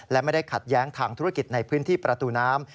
และไม่ได้ขัดแย้งทางธุรกิจในพื้นที่ประตูน้ำ